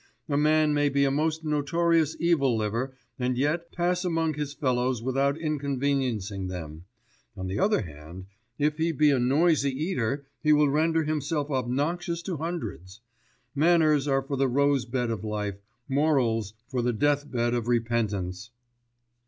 A man may be a most notorious evil liver, and yet pass among his fellows without inconveniencing them; on the other hand, if he be a noisy eater he will render himself obnoxious to hundreds. Manners are for the rose bed of life, morals for the deathbed of repentance."